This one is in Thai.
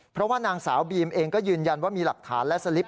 เพราะว่านางสาวบีมเองก็ยืนยันว่ามีหลักฐานและสลิป